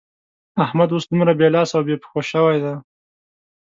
احمد اوس دومره بې لاس او بې پښو شوی دی.